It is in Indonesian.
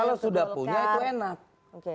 kalau sudah punya itu enak